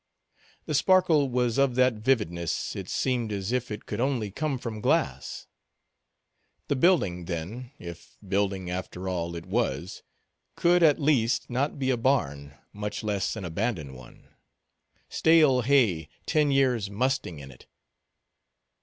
The sparkle was of that vividness, it seemed as if it could only come from glass. The building, then—if building, after all, it was—could, at least, not be a barn, much less an abandoned one; stale hay ten years musting in it.